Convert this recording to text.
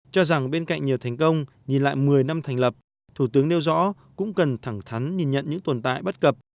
cho rằng bên cạnh nhiều thành công nhìn lại một mươi năm thành lập thủ tướng nêu rõ cũng cần thẳng thắn nhìn nhận những tồn tại bất cập